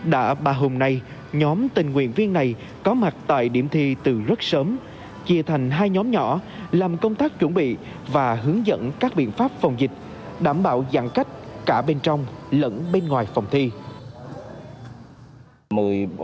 đã ba hôm nay nhóm tình nguyện viên này có mặt tại điểm thi từ rất sớm chia thành hai nhóm nhỏ làm công tác chuẩn bị và hướng dẫn các biện pháp phòng dịch đảm bảo giãn cách cả bên trong lẫn bên ngoài phòng thi